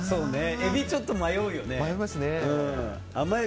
えび、ちょっと迷うよね。